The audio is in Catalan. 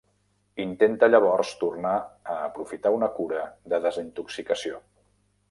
Intenta llavors tornar a aprofitar una cura de desintoxicació.